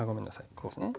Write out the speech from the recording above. こうですね。